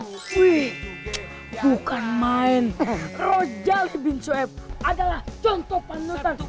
wih bukan main rojal ibn soeb adalah contoh penuntang